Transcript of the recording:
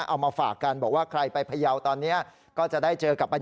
เอามันฝากกันบอกว่าใครไปเผยาตอนนี้